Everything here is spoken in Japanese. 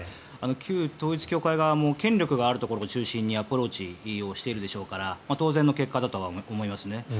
旧統一教会側も権力があるところを中心にアプローチしているでしょうから当然の結果だとは思いますね。